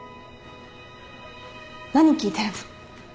何聴いてるの？